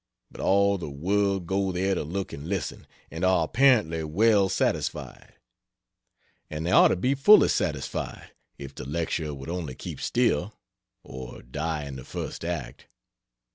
But all the world go there to look and listen, and are apparently well satisfied. And they ought to be fully satisfied, if the lecturer would only keep still, or die in the first act.